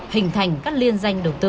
hình thành các liên danh đầu tư